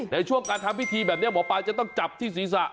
ในช่วงการทำพิธีแบบนี้หมอปลาจะต้องจับที่ศีรษะ